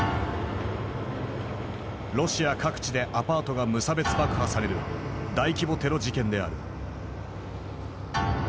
ロシア各地でアパートが無差別爆破される大規模テロ事件である。